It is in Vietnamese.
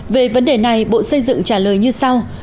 về vấn đề này bộ xây dựng trả lời như sau